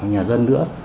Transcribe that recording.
nhà dân nữa